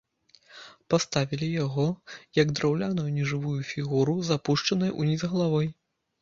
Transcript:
Паставілі яго, як драўляную нежывую фігуру з апушчанай уніз галавой.